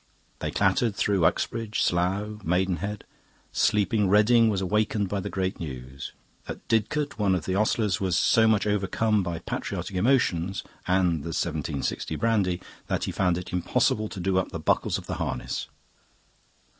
They clattered through Uxbridge, Slough, Maidenhead. Sleeping Reading was awakened by the great news. At Didcot one of the ostlers was so much overcome by patriotic emotions and the 1760 brandy that he found it impossible to do up the buckles of the harness.